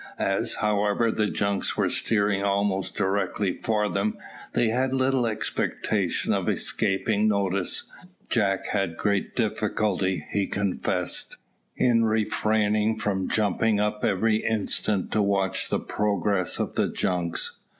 As, however, the junks were steering almost directly for them, they had little expectation of escaping notice. Jack had great difficulty, he confessed, in refraining from jumping up every instant to watch the progress of the junks.